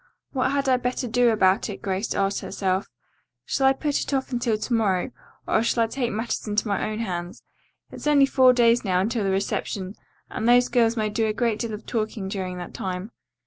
"What had I better do about it?" Grace asked herself. "Shall I put it off until to morrow or shall I take matters into my own hands? It's only four days now until the reception, and those girls may do a great deal of talking during that time."